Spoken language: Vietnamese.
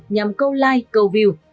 nhằm câu like câu view